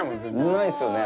ないですよね。